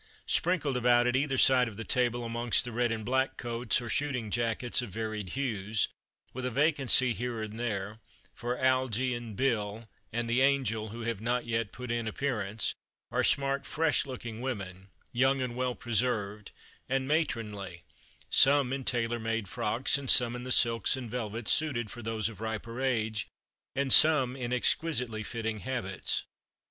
Sprinkled about, at either side of the table, amongst the red and black coats, or shooting jackets of varied hues with a vacancy here and there, for "Algie" and "Bill," and the "Angel," who have not yet put in appearance are smart, fresh looking women, young, and "well preserved," and matronly, some in tailor made frocks, and some in the silks and velvets suited for those of riper age, and some in exquisitely fitting habits.